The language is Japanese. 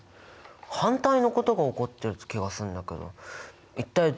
反対のことが起こってる気がするんだけど一体どういうことなの？